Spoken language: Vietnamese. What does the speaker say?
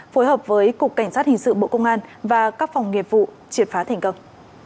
phối hợp với cục cảnh sát hình sự bộ công an và các phòng nghiệp vụ triệt phá thành công